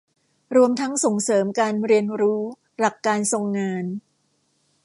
รวมทั้งส่งเสริมการเรียนรู้หลักการทรงงาน